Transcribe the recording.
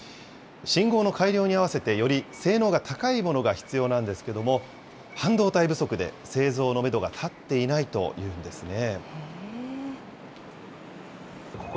信号の改良に合わせて、より性能が高いものが必要なんですけども、半導体不足で製造のメドが立っていないというんですね。